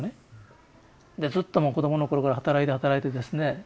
ずっともう子供の頃から働いて働いてですね